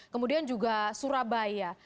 kemudian juga surabaya